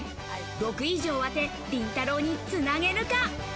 ６位以上を当て、りんたろー。につなげるか？